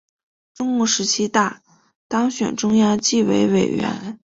中共十七大当选中央纪委委员。